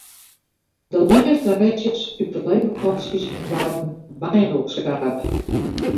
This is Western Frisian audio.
De lêste restjes út de lege potsjes waarden byinoarskrabbe.